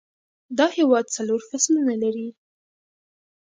دا هیواد څلور فصلونه لري